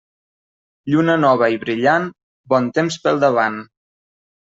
Lluna nova i brillant, bon temps pel davant.